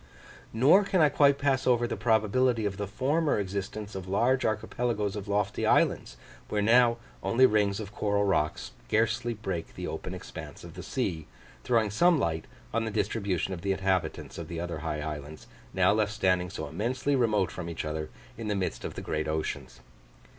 Nor can I quite pass over the probability of the former existence of large archipelagoes of lofty islands, where now only rings of coral rock scarcely break the open expanse of the sea, throwing some light on the distribution of the inhabitants of the other high islands, now left standing so immensely remote from each other in the midst of the great oceans.